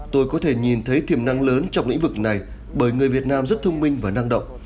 tôi có thể nhìn thấy tiềm năng lớn trong lĩnh vực này bởi người việt nam rất thông minh và năng động